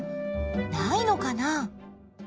ないのかな？